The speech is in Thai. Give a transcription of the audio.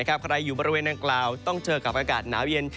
ใครอยู่บริเวณนางกล่าวต้องเจอกับอากาศหนาวเย็น